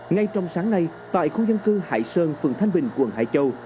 ngay trong sáng nay tại khu dân cư hải sơn phường thanh bình quận hải châu